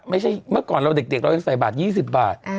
เมื่อก่อนเราเด็กเรายังใส่บาท๒๐บาท